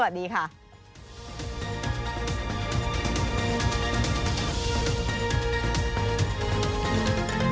การเลือกตั้งครั้งนี้แน่